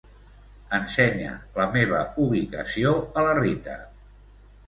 Ensenya la meva ubicació a la Rita.